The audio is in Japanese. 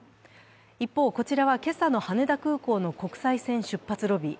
一方、こちらは今朝の羽田空港の国際線出発ロビー。